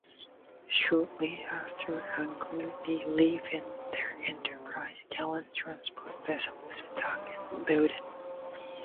Shortly after angrily leaving the "Enterprise", Galen's transport vessel is attacked and boarded.